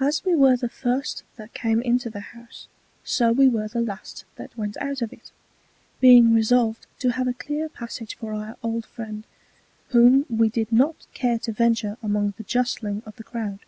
As we were the first that came into the House, so we were the last that went out of it; being resolved to have a clear Passage for our old Friend, whom we did not care to venture among the justling of the Crowd.